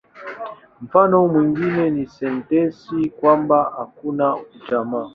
Mfano mwingine ni sentensi kwamba "hakuna njama".